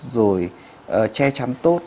rồi che chắn tốt